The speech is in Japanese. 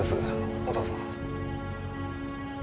お父さん。